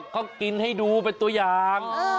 เขากินให้ดูเป็นตัวอย่าง